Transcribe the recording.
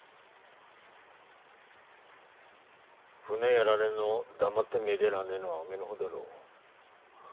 船やられんの黙って見でらんねえのはおめえの方だろ。